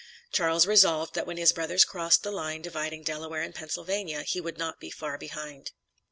Charles resolved that when his brothers crossed the line dividing Delaware and Pennsylvania, he would not be far behind.